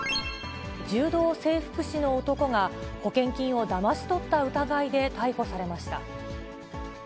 柔道整復師の男が、保険金をだまし取った疑いで逮捕されました。